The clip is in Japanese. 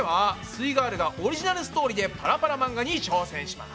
イガールがオリジナルストーリーでパラパラ漫画に挑戦します！